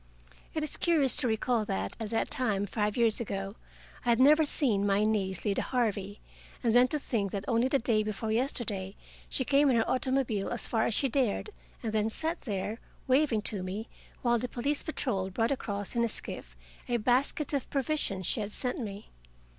It is curious to recall that, at that time, five years ago, I had never seen my niece, Lida Harvey, and then to think that only the day before yesterday she came in her automobile as far as she dared, and then sat there, waving to me, while the police patrol brought across in a skiff a basket of provisions she had sent me.